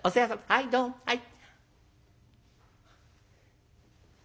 はいどうもはい」。